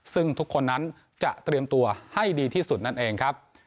ซึ่งทุกคนนั้นจะเตรียมตัวให้ดีที่สุดนั่นเองครับ